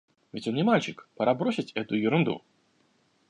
Ведь он не мальчик: пора бросить эту ерунду.